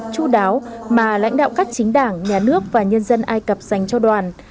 chú đáo mà lãnh đạo các chính đảng nhà nước và nhân dân ai cập dành cho đoàn